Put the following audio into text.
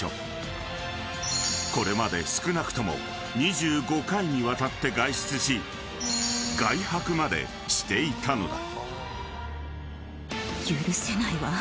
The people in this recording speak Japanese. ［これまで少なくとも２５回にわたって外出し外泊までしていたのだ］